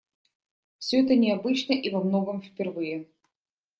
Все это необычно и во многом впервые.